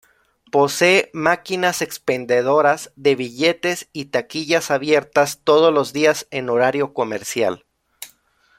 Posee máquinas expendedoras de billetes y taquillas abiertas todos los días en horario comercial.